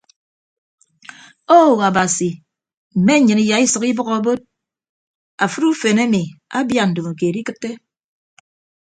Ou abasi mme nnyịn iyaisʌk ibʌk abod afịd ufen emi abia ndomokeed ikịtte.